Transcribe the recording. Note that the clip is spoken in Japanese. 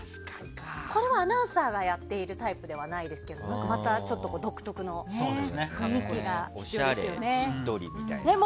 これはアナウンサーがやっているタイプではないですけどもまたちょっと独特の雰囲気が必要ですよね。